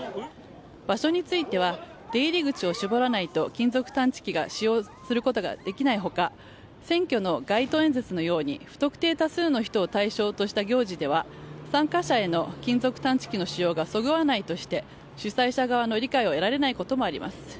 場所については出入り口を絞らないと金属探知機が使用することができない他選挙の街頭演説のように不特定多数の人を対象とした行事では参加者への金属探知機の使用がそぐわないとして主催者側の理解を得られないこともあります。